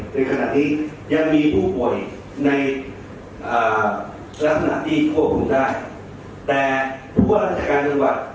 ในขณะนี้ยังมีผู้ป่วยในลักษณะที่ควบคุมได้แต่ผู้ว่าราชการจังหวัด